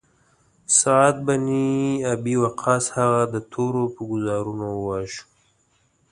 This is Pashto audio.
سعد بن ابی وقاص هغه د تورو په ګوزارونو وواژه.